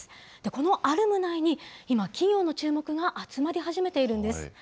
このアルムナイに今、企業の注目が集まり始めているんです。